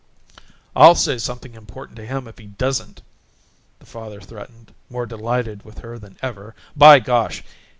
"I'll say something important to him if he doesn't!" the father threatened, more delighted with her than ever. "By gosh!